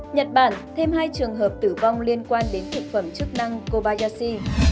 nhật bản thêm hai trường hợp tử vong liên quan đến thực phẩm chức năng kobayashi